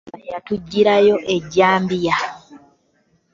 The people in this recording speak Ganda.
Oyo gwolaba yatuggyirayo ejjambiya.